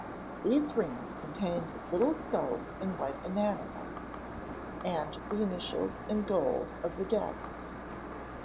These rings contained little skulls in white enamel, and the initials in gold of the dead.